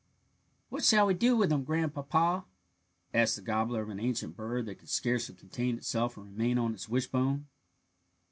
"What shall we do with him, grandpapa?" asked the gobbler of an ancient bird that could scarcely contain itself and remain on its wishbone.